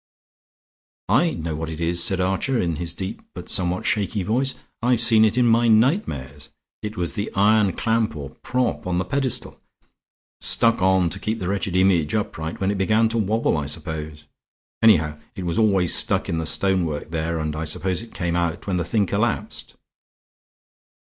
"I know what it is," said Archer in his deep but somewhat shaky voice. "I've seen it in my nightmares. It was the iron clamp or prop on the pedestal, stuck on to keep the wretched image upright when it began to wobble, I suppose. Anyhow, it was always stuck in the stonework there; and I suppose it came out when the thing collapsed."